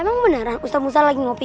emang beneran ustam ustam lagi ngopi